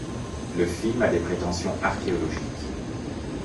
Le film a des prétentions archéologiques.